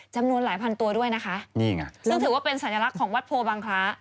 จำนวนหลายพันตัวด้วยนะคะนี่ไงซึ่งถือว่าเป็นสัญลักษณ์ของวัดโพบังคล้า